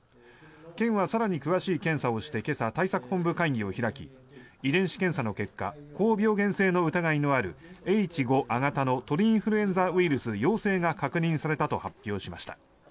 県は更に詳しい検査をして今朝、対策本部会議を開き遺伝子検査の結果高病原性の疑いのあるＨ５亜型の鳥インフルエンザウイルス陽性が確認されたと発表しました。